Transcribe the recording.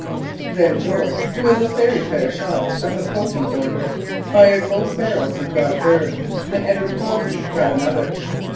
Then George, who was a very fair shot of the "poking" order, fired both barrels and got a bird, and Edward Cossey got another.